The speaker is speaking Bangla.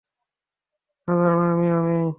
সাধারণত, আমি আমিই।